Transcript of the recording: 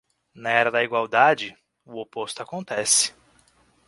Na era da igualdade, o oposto acontece.